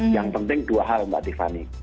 yang penting dua hal mbak tiffany